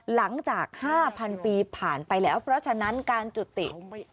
หลังจาก๕๐๐๐ปีผ่านไปแล้วเพราะฉะนั้นการจุติ